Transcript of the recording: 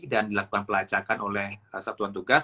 dan dilakukan pelacakan oleh kelasar tuan tugas